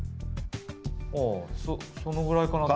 ああそのぐらいかなと。